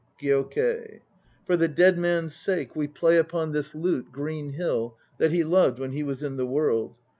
GYOKEI. For the dead man's sake we play upon this lute Green Hill that he loved when he was in the World.